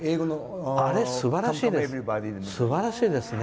あれ、すばらしいですね。